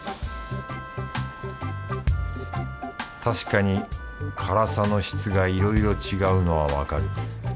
確かに辛さの質がいろいろ違うのはわかる。